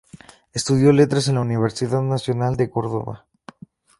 Estudió letras en la Universidad Nacional de Córdoba.